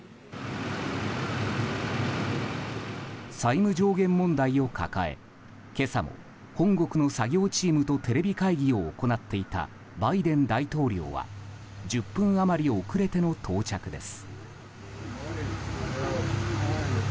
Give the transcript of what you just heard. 債務上限問題を抱え今朝も、本国の作業チームとテレビ会議を行っていたバイデン大統領は１０分余り遅れての到着です。